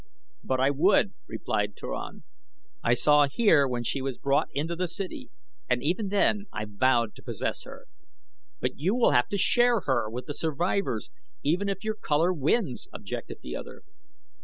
"But I would," replied Turan. "I saw her when she was brought into the city and even then I vowed to possess her." "But you will have to share her with the survivors even if your color wins," objected the other.